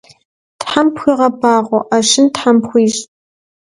Тхьэм пхуигъэбагъуэ, ӏэщын тхьэм пхуищӏ.